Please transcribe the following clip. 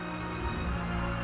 terus di mana kan